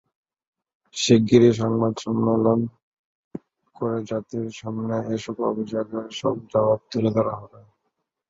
শিগগিরই সংবাদ সমেঞ্চলন করে জাতির সামনে এসব অভিযোগের জবাব তুলে ধরা হবে।